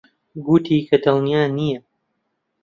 گوتی کە دڵنیا نییە.